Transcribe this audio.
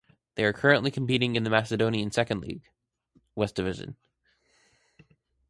They are currently competing in the Macedonian Second League (West Division).